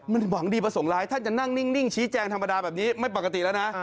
มันหวังดีประสงค์ร้ายถ้าจะนั่งนิ่งชี้แจงธรรมดาแบบนี้ไม่ปกติแล้วนะ